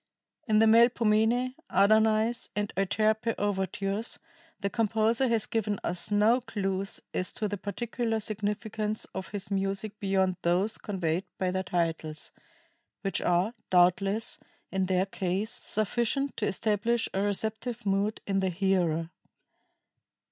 In the "Melpomene," "Adonais," and "Euterpe" overtures, the composer has given us no clews as to the particular significance of his music beyond those conveyed by their titles which are, doubtless, in their case, sufficient to establish a receptive mood in the hearer.